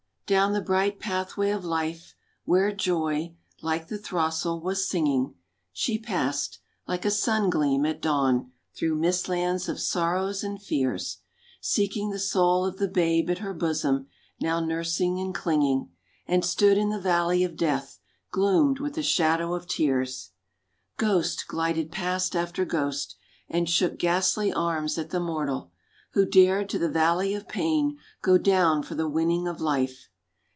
Down the bright pathway of life, where joy, like the throstle, was singing, She passed, like a sungleam at dawn, through mistlands of sorrows and fears, Seeking the soul of the babe at her bosom now nursing and clinging, And stood in the valley of death, gloomed with the shadow of tears. Ghost glided past after ghost, and shook ghastly arms at the mortal Who dared to the valley of pain go down for the winning of life.